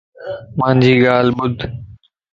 مانجي ڳال ٻڌ